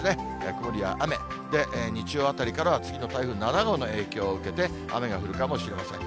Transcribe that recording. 曇りや雨、日曜あたりからは次の台風７号の影響を受けて、雨が降るかもしれません。